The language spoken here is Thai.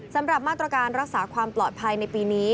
สำหรับมาตรการรักษาความปลอดภัยในปีนี้